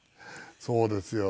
そうですよ。